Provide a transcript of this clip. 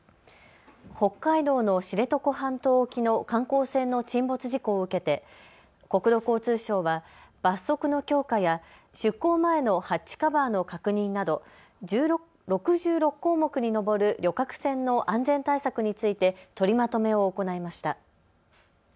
北海道の知床半島沖の観光船の沈没事故を受けて国土交通省は罰則の強化や出航前のハッチカバーの確認など６６項目に上る旅客船の安全対策について取りまとめを行いました。